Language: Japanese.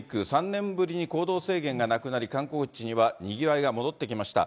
３年ぶりに行動制限がなくなり、観光地にはにぎわいが戻ってきました。